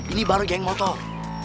ini baru geng motor